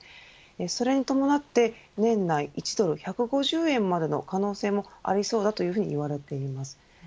それに伴って年内１ドル１５０円までの可能性はあるそうだというふうに言われています。